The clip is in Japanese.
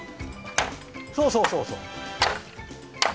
そうそうそうそう。